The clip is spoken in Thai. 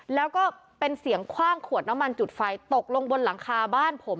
แล้วก็เป็นเสียงคว่างขวดน้ำมันจุดไฟตกลงบนหลังคาบ้านผม